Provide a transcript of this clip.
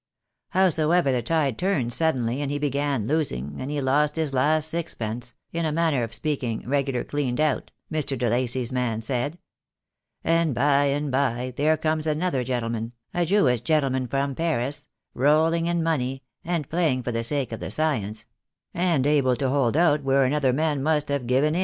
Howsoever the tide turned suddenly, and he began losing, and he lost his last sixpence, in a manner of speaking regular cleaned out, Mr. de Lacy's man said; and by and by there comes another gentleman, a Jewish gentleman from Paris, rolling in money, and playing for the sake of the science, and able to hold out where another man must have given THE DAY WILL COME.